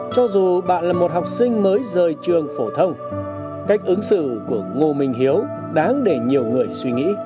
cho dù bạn là một học sinh mới rời trường phổ thông cách ứng xử của ngô minh hiếu đáng để nhiều người suy nghĩ